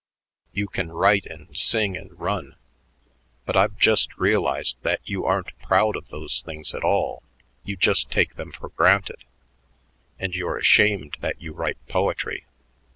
You can write and sing and run, but I've just realized that you aren't proud of those things at all; you just take them for granted. And you're ashamed that you write poetry.